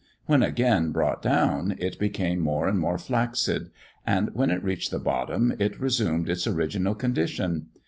When again brought down, it became more and more flaccid, and when it reached the bottom, it resumed its original condition.